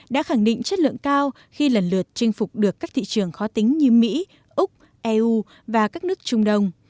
đã khẳng định chất lượng cao khi lần lượt chinh phục được các thị trường khó tính như mỹ úc eu và các nước trung đông